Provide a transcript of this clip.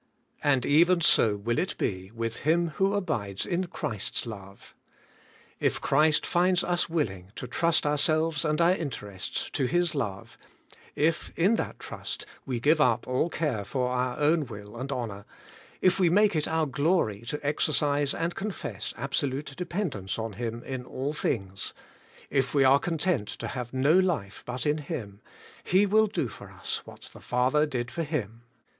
And even so will it be with him who abides in Christ's love. If Christ finds us willing to trust ourselves and our interests to His love, if in that trust we give up all care for our own will and honour, if we make it our glory to exercise and con fess absolute dependence on Him in all things, if we are content to have no life but in Him, He will do for us what the Father did for Hira.